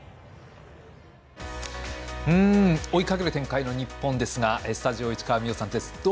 追いかける展開の日本ですがスタジオ、市川美余さんです。